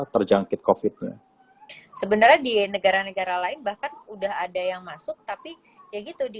terjangkit kofitna sebenarnya di negara negara lain bahkan udah ada yang masuk tapi ya gitu di